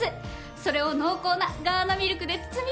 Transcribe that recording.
それを濃厚なガーナミルクで包み込んだの！